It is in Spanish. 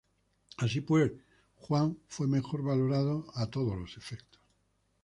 Así pues, "John" fue mejor valorado a todos los efectos.